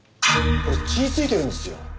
これ血ついてるんですよ。